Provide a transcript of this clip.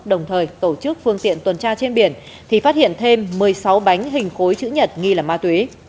đồng thời tổ chức phương tiện tuần tra trên biển thì phát hiện thêm một mươi sáu bánh hình khối chữ nhật nghi là ma túy